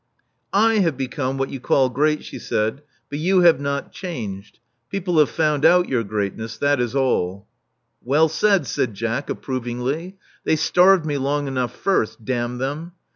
7 have become what you call great," she said. But you have not changed. People have found out your greatness, that is all." '*Well said," said Jack, approvingly. ''They starved me long enough first, damn them.